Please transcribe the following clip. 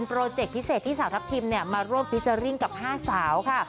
โปรเจกต์พิเศษที่สาวทัพทิมเนี่ยมาร่วมพิเศษริงกับ๕สาวค่ะ